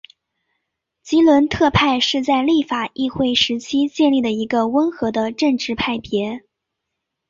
吉伦特派是在立法议会时期建立的一个温和的政治派别。